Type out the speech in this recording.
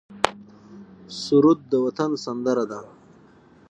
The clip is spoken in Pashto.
سرود د وطن سندره ده